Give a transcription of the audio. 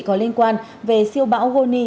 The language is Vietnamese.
có liên quan về siêu bão goni